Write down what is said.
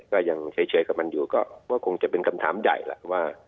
ก็ยังเฉยกับมันอยู่ก็ว่าคงจะเป็นคำถามใหญ่แหละว่า